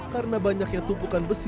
karena banyaknya tupu tupu yang terjadi